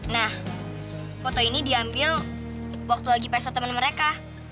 nah foto ini diambil waktu lagi pesta teman mereka